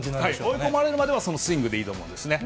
追い込まれるまではそのスイングでいいと思うんですね。